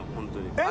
えっ？